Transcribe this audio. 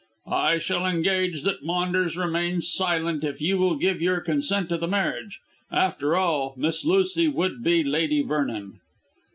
"I shall engage that Maunders remains silent if you will give your consent to the marriage. After all, Miss Lucy would be Lady Vernon."